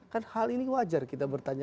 kan hal ini wajar kita bertanya